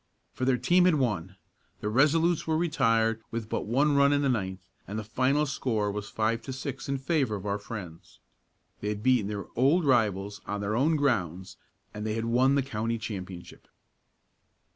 For their team had won! The Resolutes were retired with but one run in the ninth and the final score was five to six in favor of our friends. They had beaten their old rivals on their own grounds and they had won the county championship!